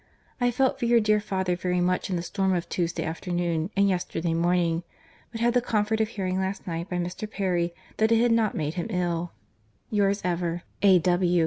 —I felt for your dear father very much in the storm of Tuesday afternoon and yesterday morning, but had the comfort of hearing last night, by Mr. Perry, that it had not made him ill. "Yours ever, "A.